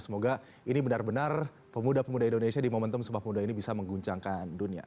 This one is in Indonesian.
semoga ini benar benar pemuda pemuda indonesia di momentum sumpah pemuda ini bisa mengguncangkan dunia